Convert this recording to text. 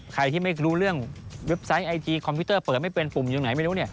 ใครที่ไม่รู้เรื่องเว็บไซต์ไอทีคอมพิวเตอร์เปิดไม่เป็นปุ่มอยู่ไหนไม่รู้